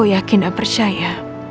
aku yakin dan percaya